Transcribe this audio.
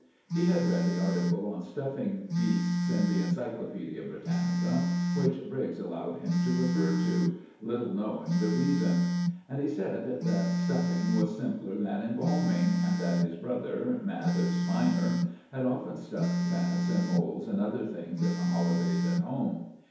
He had read the article on stuffing beasts in the Encyclopædia Britannica, which Briggs allowed him to refer to, little knowing the reason; and he said that stuffing was simpler than embalming, and that his brother, Mathers minor, had often stuffed bats and moles and other things in the holidays at home.